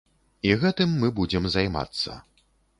І гэтым мы будзем займацца.